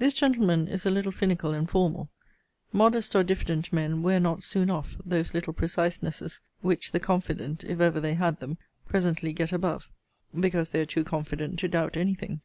This gentleman is a little finical and formal. Modest or diffident men wear not soon off those little precisenesses, which the confident, if ever they had them, presently get above; because they are too confident to doubt any thing.